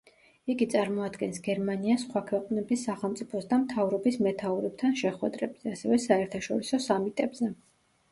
იგი წარმოადგენს გერმანიას სხვა ქვეყნების სახელმწიფოს და მთავრობის მეთაურებთან შეხვედრებზე, ასევე საერთაშორისო სამიტებზე.